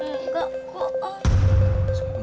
enggak kok om